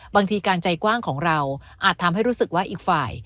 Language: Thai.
บางทีการใจกว้างของเราอาจทำให้รู้สึกว่าอีกฝ่าย